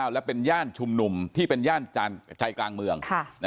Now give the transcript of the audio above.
และเป็นย่านชุมนุมที่เป็นย่านใจกลางเมือง